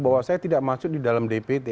bahwa saya tidak masuk di dalam dpd